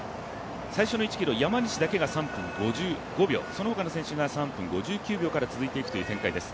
最初の１ｋｍ、山西だけが３分５５秒そのほかの選手が３分５９秒から続いていくという展開です。